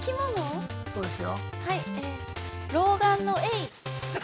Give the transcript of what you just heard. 老眼のエ◆